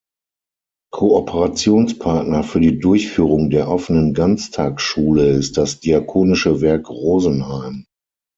Kooperationspartner für die Durchführung der offenen Ganztagsschule ist das Diakonische Werk Rosenheim.